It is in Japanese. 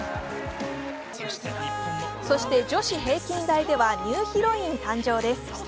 そして女子平均台ではニューヒロイン誕生です。